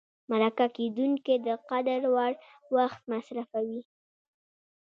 مرکه کېدونکی د قدر وړ وخت مصرفوي.